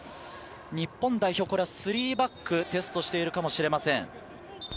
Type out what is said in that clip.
日本代表、これは３バックをテストしているかもしれません。